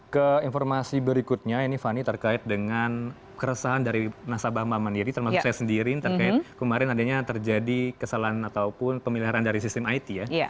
ke informasi berikutnya ini fani terkait dengan keresahan dari nasabah bank mandiri termasuk saya sendiri terkait kemarin adanya terjadi kesalahan ataupun pemeliharaan dari sistem it ya